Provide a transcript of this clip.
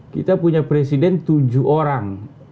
kita punya presiden tujuh orang